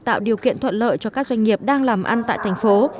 tạo điều kiện thuận lợi cho các doanh nghiệp đang làm ăn tại thành phố